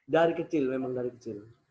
dari kecil memang dari kecil